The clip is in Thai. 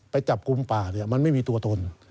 ไปจับกลุ่มป่าเนี่ยมันไม่มีตัวตน